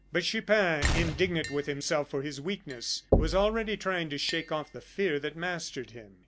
But Chupin, indignant with himself for his weakness, was already trying to shake off the fear that mastered him.